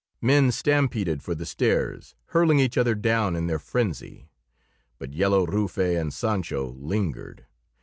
Men stampeded for the stairs, hurling each other down in their frenzy; but Yellow Rufe and Sancho lingered.